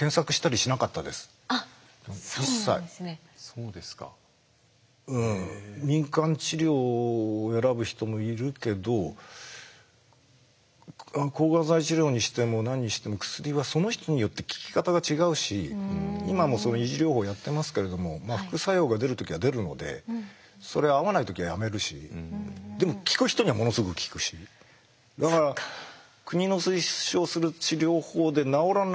うん民間治療を選ぶ人もいるけど抗がん剤治療にしても何にしても薬はその人によって効き方が違うし今も維持療法をやってますけれども副作用が出る時は出るのでそれ合わない時はやめるしでも効く人にはものすごく効くしだから国の推奨する治療法で治らないこともあるかもしれない。